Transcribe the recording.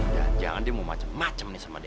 jangan dia mau macem macem nih sama dewi